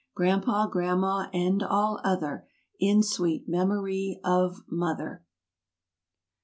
Grandpa, grandma and all other In sweet memory of "Mother!"